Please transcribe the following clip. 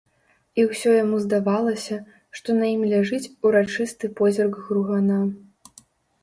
І ўсё яму здавалася, што на ім ляжыць урачысты позірк гругана.